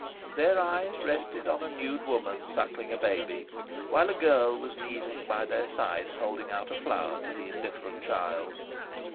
Their eyes rested on a nude woman suckling a baby, while a girl was kneeling by their side holding out a flower to the indifferent child.